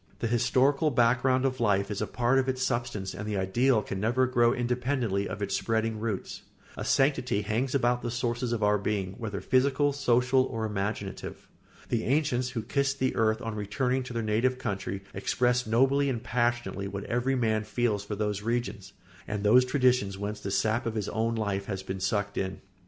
The historical background of life is a part of its substance and the ideal can never grow independently of its spreading roots. A sanctity hangs about the sources of our being, whether physical, social, or imaginative. The ancients who kissed the earth on returning to their native country expressed nobly and passionately what every man feels for those regions and those traditions whence the sap of his own life has been sucked in.